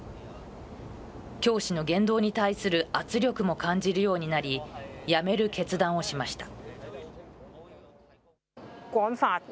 教師の言動に対する圧力も感じるようになり、辞める決断をしました。